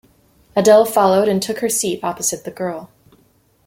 Adele followed and took her seat opposite the girl.